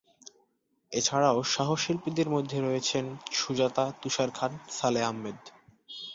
এছাড়াও সহ-শিল্পীদের মধ্যে রয়েছেন সুজাতা, তুষার খান, সালেহ আহমেদ।